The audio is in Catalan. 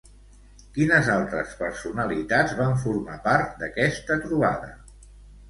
Quines altres personalitats van formar part d'aquesta trobada?